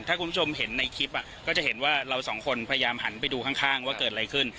ถ้าคุณผู้ชมเห็นในคลิปก็จะเห็นว่าเราสองคนพยายามหันไปดูข้างว่าเกิดอะไรขึ้น